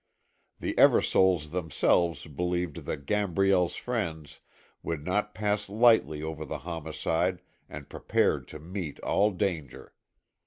The Eversoles themselves believed that Gambriel's friends would not pass lightly over the homicide and prepared to meet all danger.